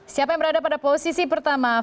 siapa yang berada pada posisi pertama